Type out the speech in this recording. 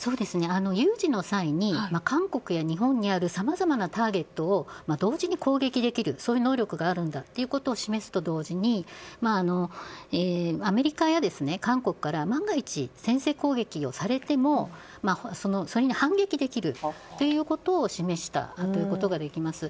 有事の際に韓国や日本にあるさまざまなターゲットを同時に攻撃できるそういう能力があるんだと示すと同時にアメリカや韓国から万が一、先制攻撃をされてもそれに反撃できるということを示したということができます。